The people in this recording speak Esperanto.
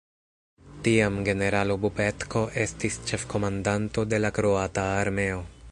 Tiam generalo Bobetko estis ĉefkomandanto de la kroata armeo.